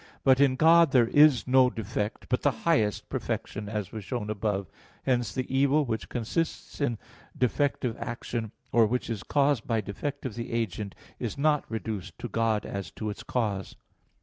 But in God there is no defect, but the highest perfection, as was shown above (Q. 4, A. 1). Hence, the evil which consists in defect of action, or which is caused by defect of the agent, is not reduced to God as to its cause.